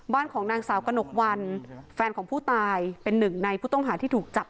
ของนางสาวกระหนกวันแฟนของผู้ตายเป็นหนึ่งในผู้ต้องหาที่ถูกจับ